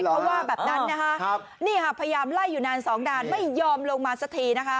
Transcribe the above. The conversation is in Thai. เขาว่าแบบนั้นนะคะนี่ค่ะพยายามไล่อยู่นานสองนานไม่ยอมลงมาสักทีนะคะ